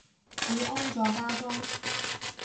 已安坐家中